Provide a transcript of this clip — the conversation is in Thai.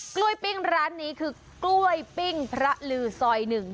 กล้วยปิ้งร้านนี้คือกล้วยปิ้งพระลือซอย๑